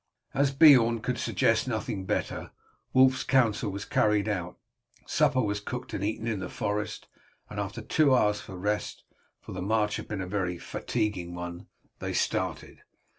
As Beorn could suggest nothing better, Wulf's counsel was carried out. Supper was cooked and eaten in the forest, and after two hours for rest, for the march had been a very fatiguing one, they started.